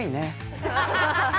アハハハ！